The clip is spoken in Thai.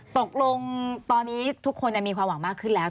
ตกลงตอนนี้ทุกคนมีความหวังมากขึ้นแล้ว